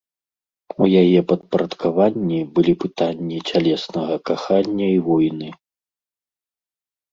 У яе падпарадкаванні былі пытанні цялеснага кахання і войны.